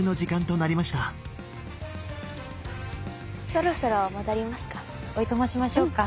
そろそろ戻りますか。